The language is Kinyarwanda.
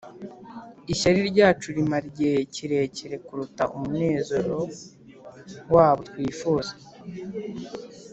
“ishyari ryacu rimara igihe kirekire kuruta umunezero w'abo twifuza